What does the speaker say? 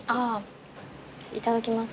いただきます。